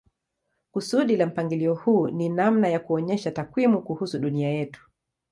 Kusudi la mpangilio huu ni namna ya kuonyesha takwimu kuhusu dunia yetu.